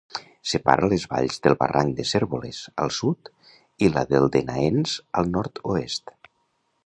Separa les valls del barranc de Cérvoles, al sud, i del de Naens, al nord-oest.